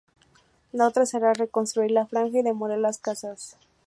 La otra será reconstruir la Franja y demoler las casas"".